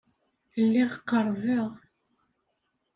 Lliɣ qerbeɣ.